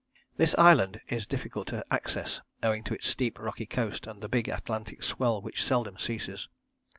This island is difficult of access, owing to its steep rocky coast and the big Atlantic swell which seldom ceases.